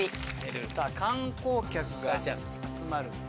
さぁ観光客が集まる。